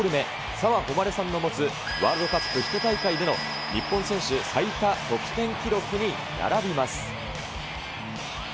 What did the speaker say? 澤穂希さんの持つワールドカップ１大会での日本選手最多得点記録に並びます。